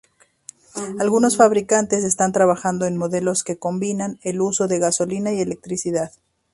Algunos fabricantes están trabajando en modelos que combinan el uso de gasolina y electricidad.